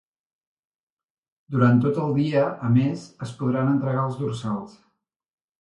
Durant tot el dia, a més, es podran entregar els dorsals.